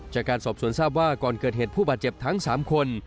จากการสอบสวนทราบว่าก่อนเกิดเหตุผู้บาดเจ็บทั้ง๓คน